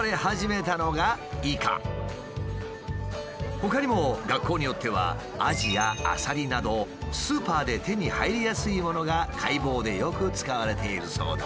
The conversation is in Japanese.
ほかにも学校によってはアジやアサリなどスーパーで手に入りやすいものが解剖でよく使われているそうだ。